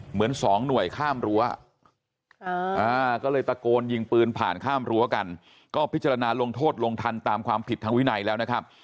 เหมือนสองหน่วยข้ามรั้วก็เลยตะโกนยิงปืนผ่านข้ามรั้วกันก็พิจารณาลงโทษลงทันตามความผิดทางวินัยแล้วนะครับ